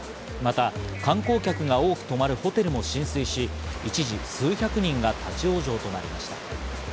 また観光客が多く泊まるホテルも浸水し、一時、数百人が立ち往生となりました。